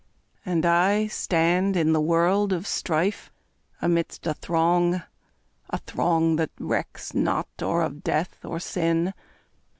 And I, Stand in the world of strife, amidst a throng, A throng that recks not or of death, or sin!